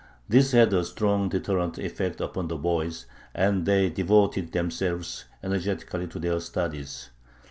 This had a strong deterrent effect upon the boys, and they devoted themselves energetically to their studies....